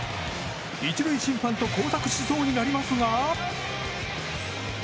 １塁審判と交錯しそうになりますが。